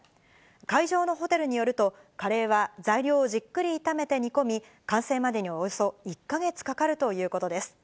会場のホテルによると、カレーは材料をじっくり炒めて煮込み、完成までにおよそ１か月かかるということです。